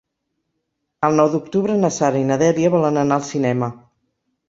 El nou d'octubre na Sara i na Dèlia volen anar al cinema.